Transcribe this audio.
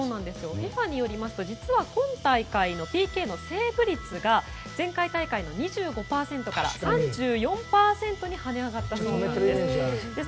ＦＩＦＡによりますと実は今大会のＰＫ戦のセーブ率が前回大会の２５％から、３４％に跳ね上がったそうなんです。